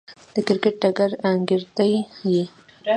د کرکټ ډګر ګيردى يي.